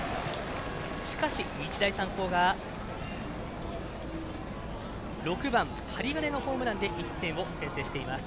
しかし、日大三高が６番、針金のホームランで１点を先制しています。